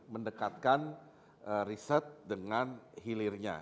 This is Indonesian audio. mendekatkan riset dengan hilirnya